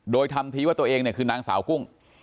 โดยทำทีว่าตัวเองเนี่ยคือนางสาวกุ้ง